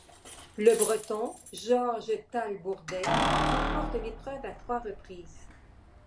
Le Breton Georges Talbourdet remporte l'épreuve à trois reprises.